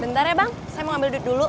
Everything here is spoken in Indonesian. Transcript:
bentar ya bang saya mau ambil duduk dulu